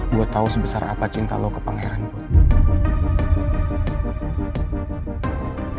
gue tau sebesar apa cinta lo ke pangeran put